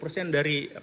pak saya sekalian